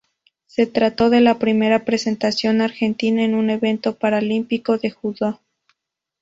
Se trató de la primera presentación argentina en un evento paralímpico de judo.